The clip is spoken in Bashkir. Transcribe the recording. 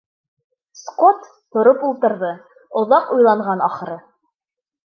Скотт тороп ултырҙы, оҙаҡ уйланған, ахыры.